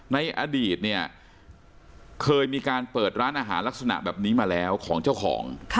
ในอดีตเนี่ยเคยมีการเปิดร้านอาหารลักษณะแบบนี้มาแล้วของเจ้าของ